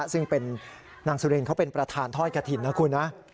ซึ่งเป็นนางสุรินเขาเป็นประธานถ้อยกระถิ่นนะคุณนะ